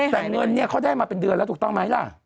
แต่เงินเนี่ยเขาได้มาเป็นเดือนแล้วถูกต้องไหมล่ะ